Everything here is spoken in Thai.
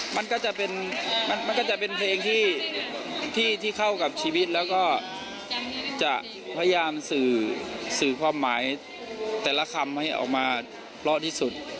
มันก็จะเป็นมันก็จะเป็นเพลงที่เข้ากับชีวิตแล้วก็จะพยายามสื่อความหมายแต่ละคำให้ออกมาเพราะที่สุด